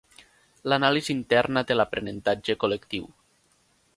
L'anàlisi interna de l'aprenentatge col·lectiu.